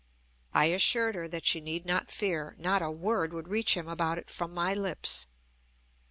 I assured her that she need not fear. Not a word would reach him about it from my lips.